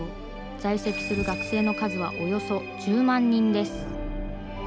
在籍する学生の数はおよそ１０万人です。